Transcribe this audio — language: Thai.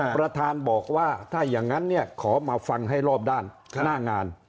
ประธานบอกว่าถ้าอย่างนั้นขอมาฟังให้รอบด้านหน้างาน